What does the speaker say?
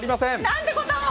何てことを！